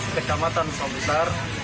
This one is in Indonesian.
kekamatan sawah besar